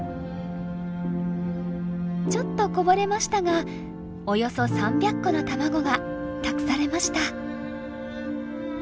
ちょっとこぼれましたがおよそ３００個の卵が託されました。